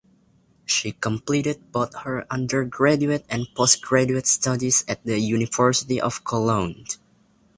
She completed both her undergraduate and postgraduate studies at the University of Cologne.